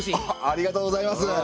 ありがとうございます！